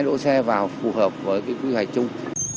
để đưa bãi đỗ xe vào phù hợp với quy hoạch chung